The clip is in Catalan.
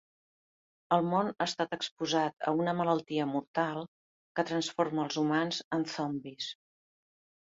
El món ha estat exposat a una malaltia mortal que transforma els humans en zombis.